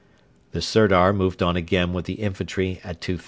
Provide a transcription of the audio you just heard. The Sirdar moved on again with the infantry at 2.30.